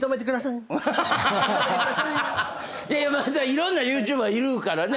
いろんなＹｏｕＴｕｂｅｒいるからね